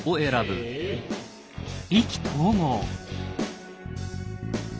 意気投合。